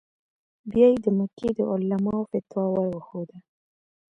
بیا یې د مکې د علماوو فتوا ور وښوده.